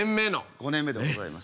５年目でございます。